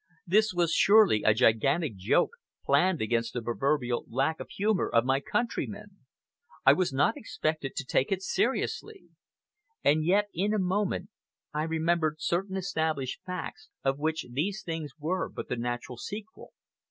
This was surely a gigantic joke, planned against the proverbial lack of humor of my countrymen! I was not expected to take it seriously! And yet, in a moment, I remembered certain established facts, of which these things were but the natural sequel.